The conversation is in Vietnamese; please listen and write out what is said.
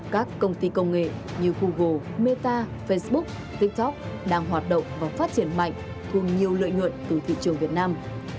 các công ty công nghệ như google meta facebook tiktok đang hoạt động và phát triển mạnh cùng nhiều lợi nhuận từ thị trường việt nam